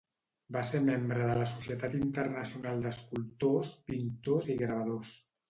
Va ser membre de la Societat Internacional d'Escultors, Pintors i Gravadors.